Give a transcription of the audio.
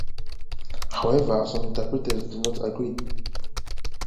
However, some interpreters do not agree.